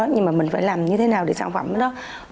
nhưng mà mình phải làm như thế nào để sản phẩm đó